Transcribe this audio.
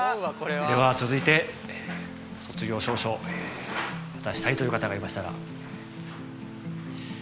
では続いて卒業証書出したいという方がいましたら。